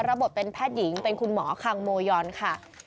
บทเป็นแพทย์หญิงเป็นคุณหมอคังโมยอนค่ะ